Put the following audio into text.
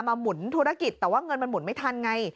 หมุนธุรกิจแต่ว่าเงินมันหมุนไม่ทันไง